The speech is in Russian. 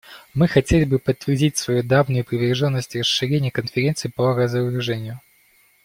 Мы хотели бы подтвердить свою давнюю приверженность расширению Конференции по разоружению.